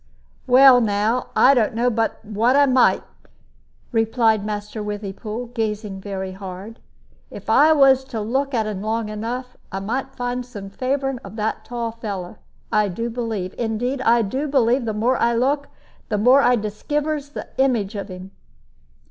"Well, now, I don't know but what I might," replied Master Withypool, gazing very hard; "if I was to look at 'un long enough, a' might find some'at favoring of that tall fellow, I do believe. Indeed, I do believe the more I look, the more I diskivers the image of him."